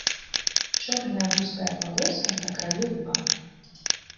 Чорная вузкая палоса на краю лба.